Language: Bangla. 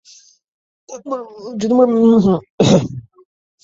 মতিকে উপন্যাসের নায়িকার মতো ভাবিতে আরম্ভ করিয়াছে, সেও তো কম কল্পনাপ্রবণ নয়।